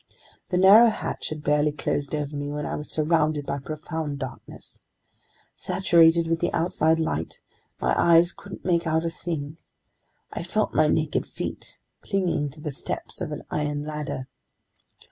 The narrow hatch had barely closed over me when I was surrounded by profound darkness. Saturated with the outside light, my eyes couldn't make out a thing. I felt my naked feet clinging to the steps of an iron ladder.